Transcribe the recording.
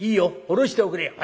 下ろしておくれよ」。